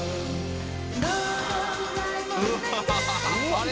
あれ？